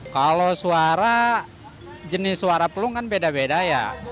kalau suara jenis suara pelung kan beda beda ya